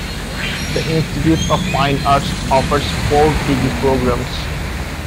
The Institute of Fine Arts offers four degree programs.